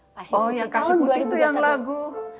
oh ya kasih putih itu yang lagu